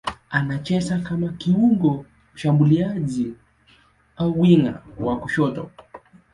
Anacheza kama kiungo mshambuliaji au winga wa kushoto.